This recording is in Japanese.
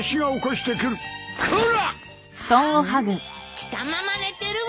着たまま寝てるわ。